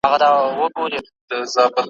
په زحمت چي پکښي اخلمه ګامونه `